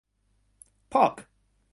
Puck!